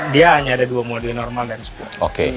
dia hanya ada dua model normal dan sepuluh